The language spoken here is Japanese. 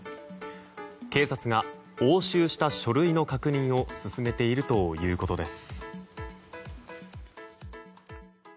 警察が押収した書類の確認を進めているということです。